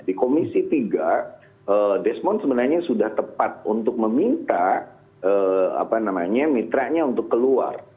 di komisi tiga desmond sebenarnya sudah tepat untuk meminta mitranya untuk keluar